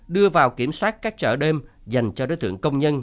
đưa vào kiểm soát các chợ đêm dành cho đối tượng công nhân